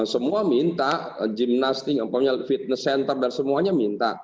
semua minta gimnastik fitness center dan semuanya minta